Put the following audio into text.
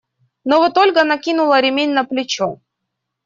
Но вот Ольга накинула ремень на плечо.